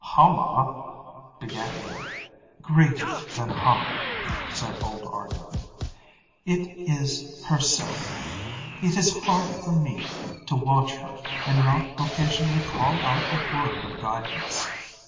"Hama...?" began Iimmi. "Greater than Hama," said old Argo. "It is herself. It is hard for me to watch her and not occasionally call out a word of guidance.